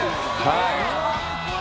はい